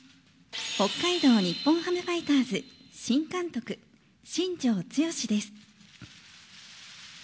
北海道日本ハムファイターズ新監督、新庄剛志です。